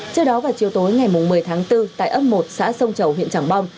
trước đó vào chiều tối ngày một mươi tháng bốn tại ấp một xã sông chầu huyện tràng bom